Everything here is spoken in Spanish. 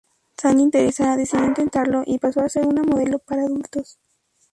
Sandy interesada, decidió intentarlo y pasó a ser una modelo para adultos.